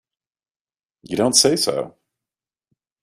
You don't say so!